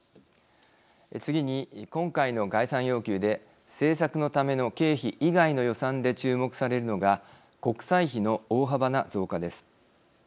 次に今回の概算要求で政策のための経費以外の予算で注目されるのが国債費の大幅な増加です。